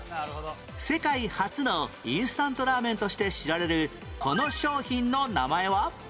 世界初のインスタントラーメンとして知られるこの商品の名前は？